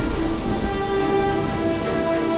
terima kasih pak